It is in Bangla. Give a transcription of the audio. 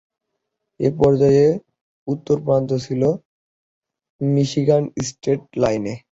এক পর্যায়ে, উত্তর প্রান্ত ছিল মিশিগান স্টেট লাইনে।